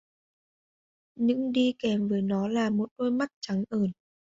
Những đi kèm với nó là một đôi mắt trắng ởn